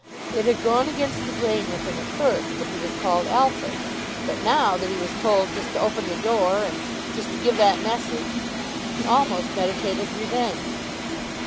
It had gone against the grain with him at first, when he was called Alfred; but now that he was told "just to open the door," and "just to give that message," he almost meditated revenge.